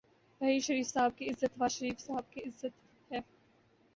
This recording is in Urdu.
راحیل شریف صاحب کی عزت نوازشریف صاحب کی عزت ہے۔